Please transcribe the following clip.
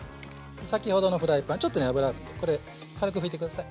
先ほどのフライパンちょっとね油これ軽く拭いてください。